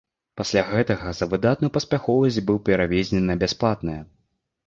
Пасля гэтага за выдатную паспяховасць быў перавезены на бясплатнае.